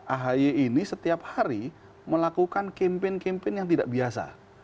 ahi ini setiap hari melakukan kempen kempen yang tidak biasa